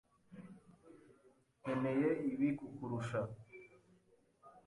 Nkeneye ibi kukurusha.